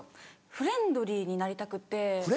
フレンドリーになりたくて？